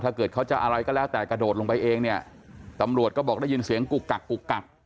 ถ้าเกิดเขาจะอะไรก็แล้วแต่กระโดดลงไปเองเนี่ยตำรวจก็บอกได้ยินเสียงกุกกักกุกกัก